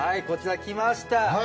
こちらきました。